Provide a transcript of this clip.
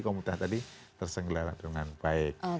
kalau mudah tadi tersenggela dengan baik